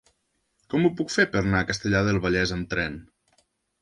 Com ho puc fer per anar a Castellar del Vallès amb tren?